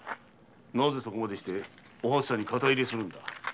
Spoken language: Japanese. なぜそこまでお初さんに肩入れするんだ。